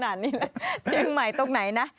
ขนาดนี้ชิ้นใหม่ตรงไหนนะ